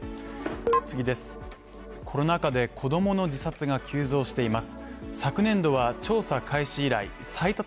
コロナ禍で子供の自殺が急増しています。